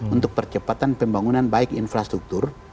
untuk percepatan pembangunan baik infrastruktur